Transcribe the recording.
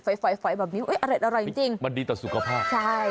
ฝอยฝอยฝอยแบบนี้เฮ้ยอร่อยอร่อยจริงจริงมันดีต่อสุขภาพใช่